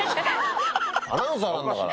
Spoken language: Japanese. アナウンサーなんだから！